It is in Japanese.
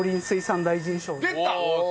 出た！